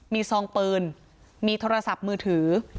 มีซองปืนมีโทรศัพท์มือถือ